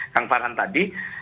kang farhan tadi